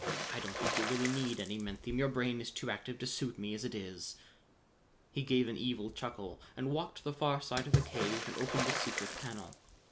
I don't think you really need any menthium; your brain is too active to suit me as it is." He gave an evil chuckle and walked to the far side of the cave and opened a secret panel.